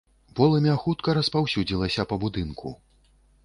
Полымя хутка распаўсюдзілася па будынку.